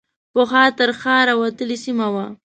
پخوا تر ښار وتلې سیمه وه.